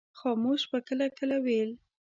خاموش به کله کله ویل.